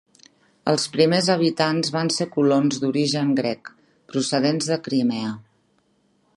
Els primers habitants van ser colons d'origen grec, procedents de Crimea.